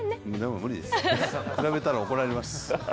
無理です、比べたら怒られます。